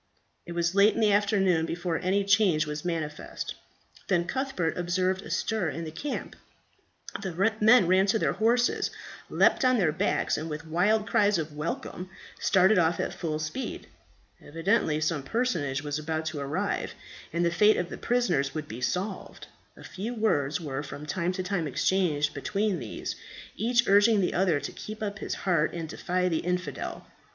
It was late in the afternoon before any change was manifest. Then Cuthbert observed a stir in the camp; the men ran to their horses, leapt on their backs, and with wild cries of "Welcome!" started off at full speed. Evidently some personage was about to arrive, and the fate of the prisoners would be solved. A few words were from time to time exchanged between these, each urging the other to keep up his heart and defy the infidel.